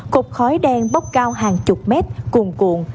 cục khói đen bóc cao hàng chục mét cuồn cuồn